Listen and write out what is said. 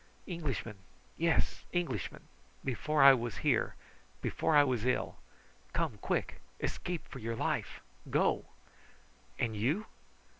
"Englishman! yes Englishman! Before I was here before I was ill! Come, quick! escape for your life! Go!" "And you?"